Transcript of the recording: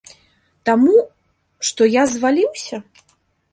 Таму, што я зваліўся?